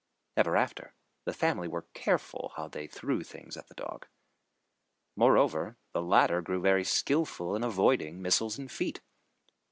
Ever after, the family were careful how they threw things at the dog. Moreover, the latter grew very skilful in avoiding missiles and feet.